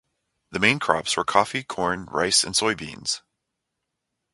The main crops were coffee, corn, rice, and soybeans.